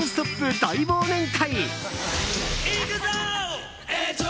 大忘年会！